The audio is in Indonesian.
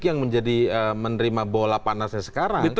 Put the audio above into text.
yang menjadi menerima bola panasnya sekarang